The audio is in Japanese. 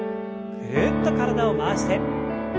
ぐるっと体を回して。